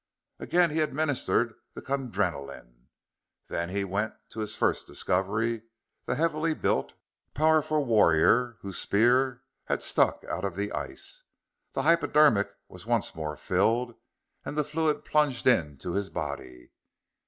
Again he administered the Kundrenaline. Then he went to his first discovery the heavily built, powerful warrior whose spear had stuck out of the ice. The hypodermic was once more filled, and the fluid plunged into his body.